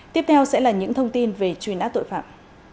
tiếp theo sẽ là những thông tin về truy nã tội phạm